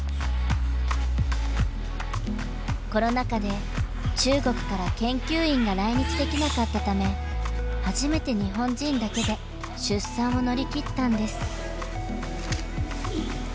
コロナ禍で中国から研究員が来日できなかったため初めて日本人だけで出産を乗り切ったんです。